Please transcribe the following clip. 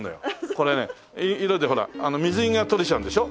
これね色でほら水着が取れちゃうんでしょ？